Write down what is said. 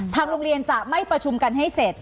ทางโรงเรียนจะไม่ประชุมกันให้เสร็จ